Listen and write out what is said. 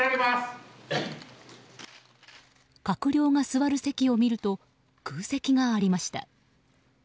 閣僚が座る席を見ると空席がありました。